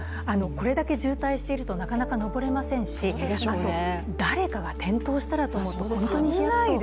これだけ渋滞しているとなかなか登れませんしあと、誰かが転倒したらと思うと本当にひやっと。